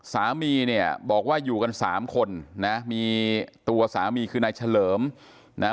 สามีเนี่ยบอกว่าอยู่กันสามคนนะมีตัวสามีคือนายเฉลิมนะฮะ